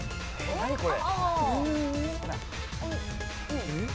何これ？